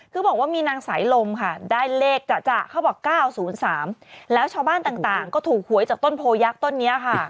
คือบอกว่ามีนางสายลมค่ะได้เลขจะเขาบอก๙๐๓แล้วชาวบ้านต่างก็ถูกหวยจากต้นโพยักษ์ต้นนี้ค่ะ